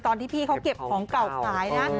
ตอนที่พี่เขาเก็บของเก่าสายนะ